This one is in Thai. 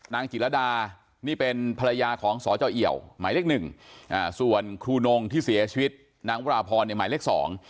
นางจิตระดานี่เป็นภรรยาของสเจ้าเอี่ยวหมายเลข๑ส่วนครูนงที่เสียชีวิตนางวราพรหมายเลข๒